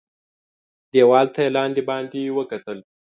دېوال ته یې لاندي باندي وکتل .